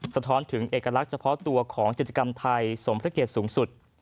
สะท้อนถึงเอกลักษณ์เฉพาะตัวของจิตกรรมไทยสมพระเกตสูงสุด